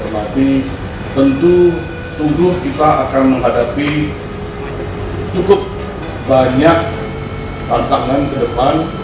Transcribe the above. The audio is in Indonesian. bapak ibu yang kami hormati tentu sungguh kita akan menghadapi cukup banyak tantangan ke depan